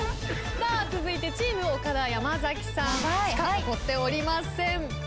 続いてチーム岡田山崎さんしか残っておりません。